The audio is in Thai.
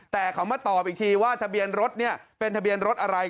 แต่เขามาตอบอีกทีว่าทะเบียนรถเนี่ยเป็นทะเบียนรถอะไร